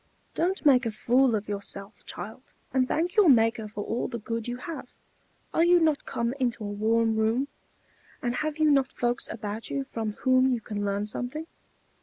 Don't make a fool of yourself, child, and thank your Maker for all the good you have. Are you not come into a warm room, and have you not folks about you from whom you can learn something?